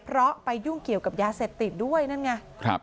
ร้อไปยุ่งเกี่ยวกับยาเศรษฐิดด้วยนั่นไง